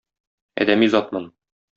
Адәми затмын.